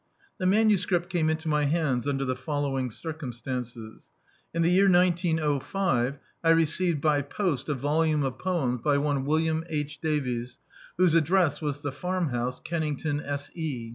The manuscript came into my hands under the following circumstances. In the year 1905 I re ceived by post a volume of poems by one William H. Davies, whose address was The Farm House, Kennington S. E.